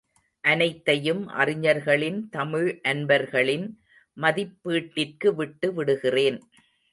அனைத்தையும் அறிஞர்களின் தமிழ் அன்பர்களின் மதிப்பீட்டிற்கு விட்டு விடுகிறேன்.